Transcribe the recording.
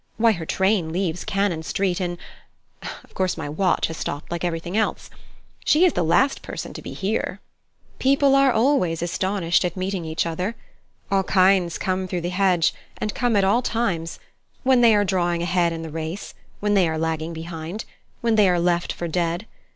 Why, her train leaves Cannon Street in of course my watch has stopped like everything else. She is the last person to be here." "People always are astonished at meeting each other. All kinds come through the hedge, and come at all times when they are drawing ahead in the race, when they are lagging behind, when they are left for dead.